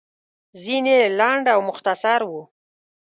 ځينې يې لنډ او مختصر وو.